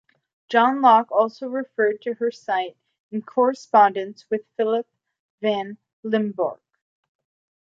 John Locke also referred to her sight in correspondence with Philip van Limborch.